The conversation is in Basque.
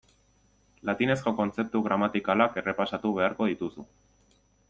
Latinezko kontzeptu gramatikalak errepasatu beharko dituzu.